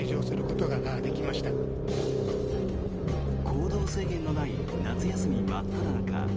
行動制限のない夏休み真っただ中。